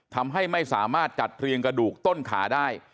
ทำให้ไม่สามารถจัดเรียงกระดูกต้นขาได้